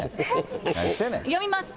読みます。